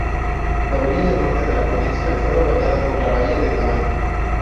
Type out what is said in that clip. La orilla norte de la península está bañada por la bahía de Tamán.